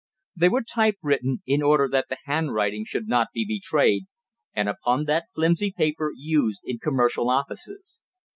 They were type written, in order that the handwriting should not be betrayed, and upon that flimsy paper used in commercial offices.